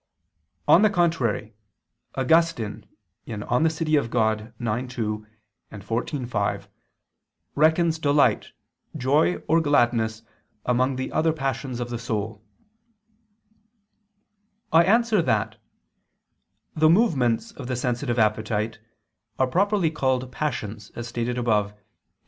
On the contrary, Augustine (De Civ. Dei ix, 2; xiv, 5 seqq) reckons delight, joy, or gladness among the other passions of the soul. I answer that, The movements of the sensitive appetite, are properly called passions, as stated above (Q.